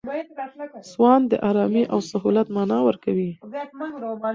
سوان د آرامۍ او سهولت مانا ورکوي.